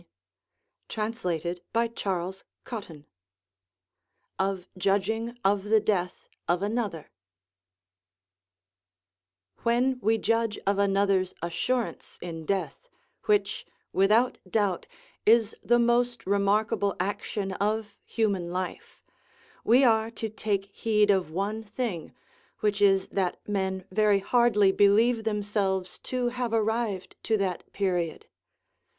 Of presumption. CHAPTER XIII OF JUDGING OF THE DEATH OF ANOTHER When we judge of another's assurance in death, which, without doubt, is the most remarkable action of human life, we are to take heed of one thing, which is that men very hardly believe themselves to have arrived to that period.